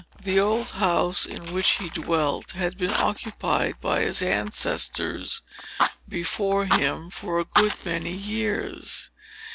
The old house in which he dwelt, had been occupied by his ancestors before him, for a good many years.